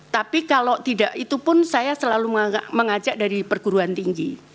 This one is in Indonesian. tapi kalau tidak itu pun saya selalu mengajak dari perguruan tinggi